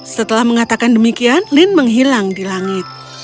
setelah mengatakan demikian lin menghilang di langit